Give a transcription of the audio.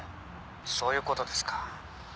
「そういう事ですか」